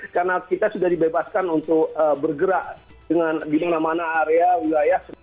karena kita sudah dibebaskan untuk bergerak dengan gimana mana area wilayah